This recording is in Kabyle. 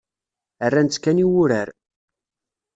Rran-tt kan i wurar.